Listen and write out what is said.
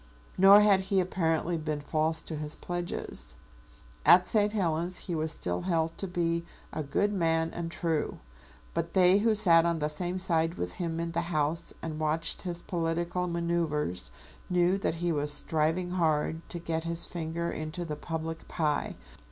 Nor had he apparently been false to his pledges. At St. Helens he was still held to be a good man and true. But they who sat on the same side with him in the House and watched his political manoeuvres, knew that he was striving hard to get his finger into the public pie.